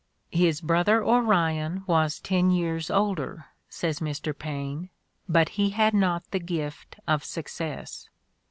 "His brother Orion was ten years older," says Mr. Paine, "but he had not the gift of success.